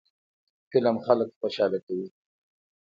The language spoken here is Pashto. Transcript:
فلم خلک خوشحالوي